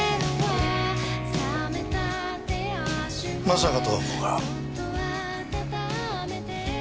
まさかとは思うが。